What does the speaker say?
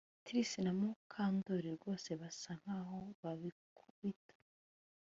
Trix na Mukandoli rwose basa nkaho babikubita